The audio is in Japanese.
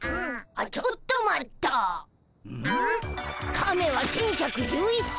カメは１，１１１歳。